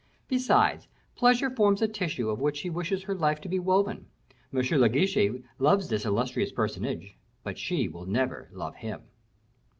Besides, pleasure forms the tissue of which she wishes her life to be woven. M. de Guiche loves this illustrious personage, but she will never love him."